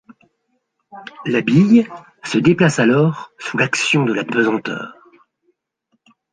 La bille se déplace alors sous l’action de la pesanteur.